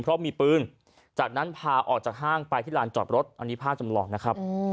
เพราะมีปืนจากนั้นพาออกจากห้างไปที่ลานจอดรถอันนี้ภาพจำลองนะครับ